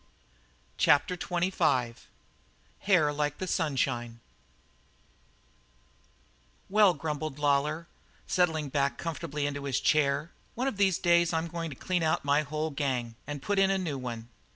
CHAPTER XXV HAIR LIKE THE SUNSHINE "Well," grumbled Lawlor, settling back comfortably into his chair, "one of these days I'm goin' to clean out my whole gang and put in a new one.